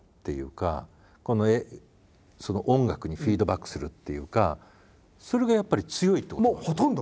今度音楽にフィードバックするっていうかそれがやっぱり強いってこと？